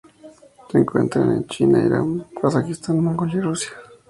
Se encuentran en China, Irán, Kazajistán, Mongolia y Rusia.